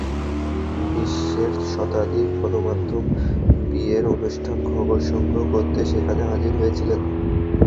বিশ্বের শতাধিক গণমাধ্যম বিয়ের অনুষ্ঠানের খবর সংগ্রহ করতে সেখানে হাজির হয়েছিলেন।